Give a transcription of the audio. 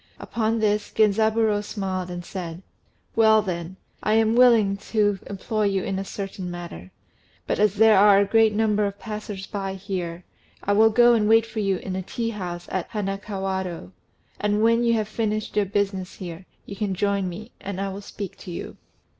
Upon this Genzaburô smiled and said, "Well, then, I am willing to employ you in a certain matter; but as there are a great number of passers by here, I will go and wait for you in a tea house at Hanakawado; and when you have finished your business here, you can join me, and I will speak to you."